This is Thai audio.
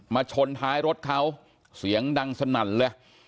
ชนท้ายรถเขาเสียงดังสนั่นเลย